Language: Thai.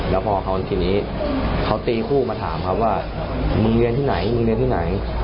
แล้วพอเขาทีนี้เขาตีคู่มาถามครับว่ามึงเรียนที่ไหนมึงเรียนที่ไหน